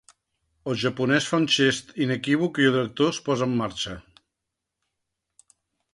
El japonès fa un gest inequívoc i el director es posa en marxa.